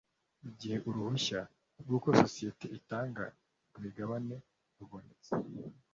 igihe uruhushya rw’uko sosiyete itanga imigabane rubonetse